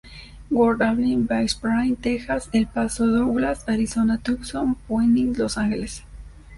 Worth-Abilene-Big Spring, Texas-El Paso-Douglas, Arizona-Tucson-Phoenix-Los Ángeles.